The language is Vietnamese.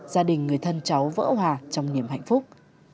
gia đình người thân cháu vỡ hòa trong niềm hạnh phúc